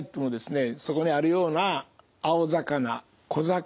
そこにあるような青魚小魚